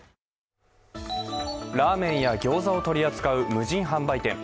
ラーメンやギョーザを取り扱う無人販売店。